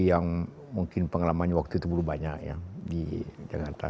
yang mungkin pengalamannya waktu itu belum banyak ya di jakarta